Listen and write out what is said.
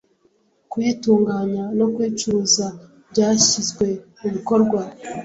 kuyitunganya no kuyicuruza byashyizwe mu bikorwa